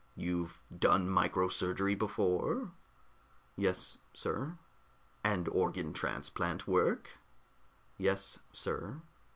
"You've done micro surgery before?" "Yes, sir." "And organ transplant work?" "Yes, sir."